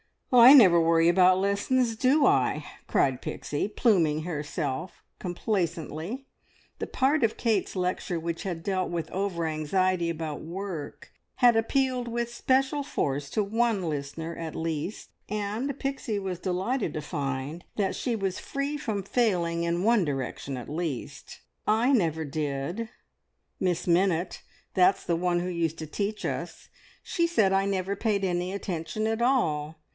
"I never worry about lessons, do I?" cried Pixie, pluming herself complacently. The part of Kate's lecture which had dealt with over anxiety about work had appealed with special force to one listener at least, and Pixie was delighted to find that she was free from failing in one direction at least. "I never did. Miss Minnitt that's the one who used to teach us she said I never paid any attention at all.